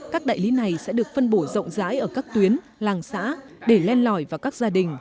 các đại lý này sẽ được phân bổ rộng rãi ở các tuyến làng xã để len lỏi vào các gia đình